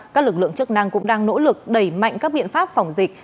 các lực lượng chức năng cũng đang nỗ lực đẩy mạnh các biện pháp phòng dịch